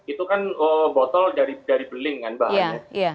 itu kan botol dari beling kan bahannya